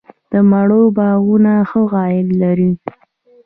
د مڼو باغونه ښه عاید لري؟